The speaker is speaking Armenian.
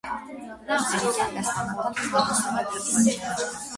Նա ամերիկյան դեսպանատանը զբաղեցնում է թարգմանչի պաշտոն։